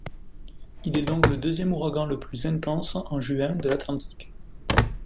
Il est donc le deuxième ouragan le plus intense, en juin, de l'Atlantique.